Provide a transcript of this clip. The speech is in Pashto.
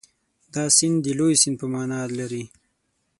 دا سیند د لوی سیند په معنا لري.